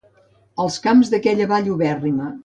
Els camps d'aquella vall ubèrrima.